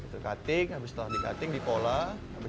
cutting setelah di cutting dipolah abis itu diberikan ke penjahit